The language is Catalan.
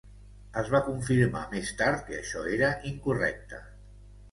Es va confirmar més tard que això era incorrecte.